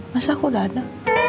masa aku udah ada